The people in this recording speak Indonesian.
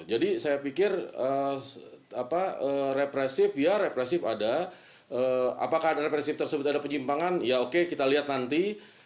jadi saya pikir apa represif ya represif ada apakah represif tersebut ada penyimpangan ya oke kita lihat nanti